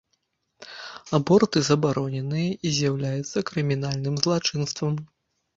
Аборты забароненыя і з'яўляюцца крымінальным злачынствам.